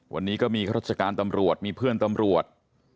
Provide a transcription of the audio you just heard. วันนี้ก็มีข้าราชการตำรวจมีเพื่อนตำรวจ